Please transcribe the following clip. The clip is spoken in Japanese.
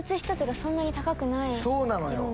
そうなのよ！